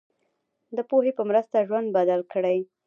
د پوهې په مرسته ژوند بدل کړئ.